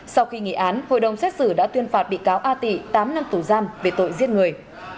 sau khi nghỉ án hội đồng xét xử đã tuyên phạt bị cáo a tị tám năm tù giam về tội giết người